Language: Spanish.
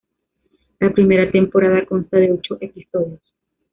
La primera temporada consta de ocho episodios.